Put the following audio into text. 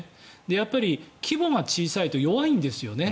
やっぱり規模が小さいと弱いんですよね。